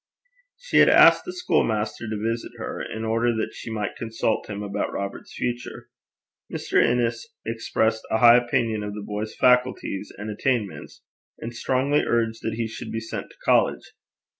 She had asked the school master to visit her, in order that she might consult him about Robert's future. Mr. Innes expressed a high opinion of the boy's faculties and attainments, and strongly urged that he should be sent to college.